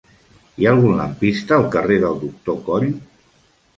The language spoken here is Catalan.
Hi ha algun lampista al carrer del Doctor Coll?